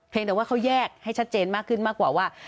แต่ว่าเขาแยกให้ชัดเจนมากขึ้นมากกว่าว่า